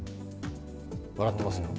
笑ってますよ。